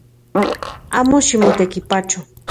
Amo ximotekipacho